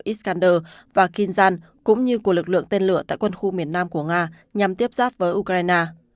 iskander và kinzan cũng như của lực lượng tên lửa tại quân khu miền nam của nga nhằm tiếp giáp với ukraine